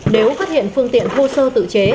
nếu phát hiện phương tiện thô sơ tự chế